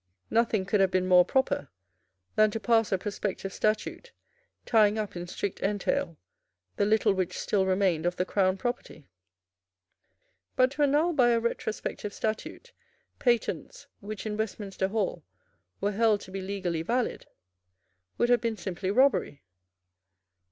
Nothing could have been more proper than to pass a prospective statute tying up in strict entail the little which still remained of the Crown property. But to annul by a retrospective statute patents, which in Westminster Hall were held to be legally valid, would have been simply robbery.